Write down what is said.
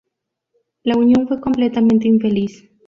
La unión fue completamente infeliz.